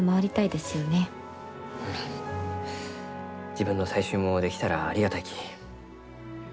自分の採集もできたらありがたいき。